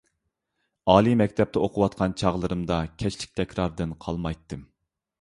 ئالىي مەكتەپتە ئوقۇۋاتقان چاغلىرىمدا، كەچلىك تەكراردىن قالمايتتىم.